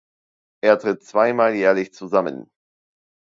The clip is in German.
Er tritt zweimal jährlich zusammen.